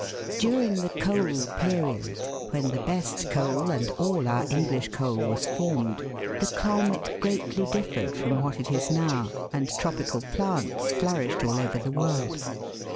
During the Coal Period, when the best coal and all our English coal was formed, the climate greatly differed from what it is now, and tropical plants flourished all over the world.